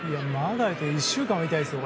１週間は痛いですよ。